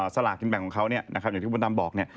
สลากกินแบ่งของเขาเนี่ยนะครับอย่างที่คุณดำบอกเนี่ย